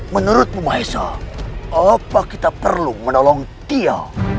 menurutmu mahesa apa kita perlu menolong dia